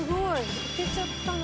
行けちゃったの？」